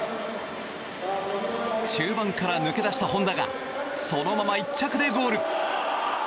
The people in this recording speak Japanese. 中盤から抜け出した本多がそのまま１着でゴール。